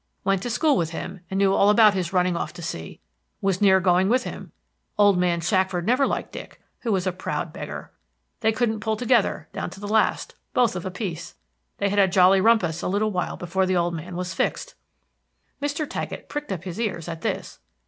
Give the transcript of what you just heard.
Went to school with him, and knew all about his running off to sea. Was near going with him. Old man Shackford never liked Dick, who was a proud beggar; they couldn't pull together, down to the last, both of a piece. They had a jolly rumpus a little while before the old man was fixed. Mr. Taggett pricked up his ears at this.